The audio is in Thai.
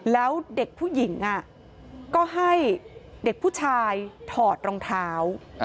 แล้วเด็กผู้หญิงก็ให้เด็กผู้ชายถอดรองเท้า